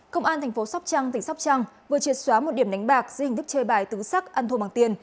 công an thành phố sóc trăng tỉnh sóc trăng vừa triệt xóa một điểm đánh bạc dưới hình thức chơi bài tứ sắc ăn thua bằng tiền